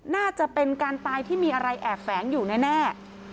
น่าจะเป็นการตายที่มีอะไรแอบแฝงอยู่แน่